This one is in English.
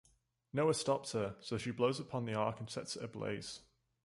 Noah stops her, so she blows upon the ark and sets it ablaze.